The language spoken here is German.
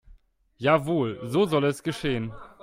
Jawohl, so soll es geschehen.